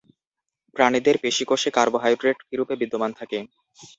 প্রাণিদের পেশিকোষে কার্বোহাইড্রেট কীরূপে বিদ্যমান থাকে?